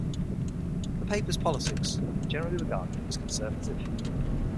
The paper's politics were generally regarded as conservative.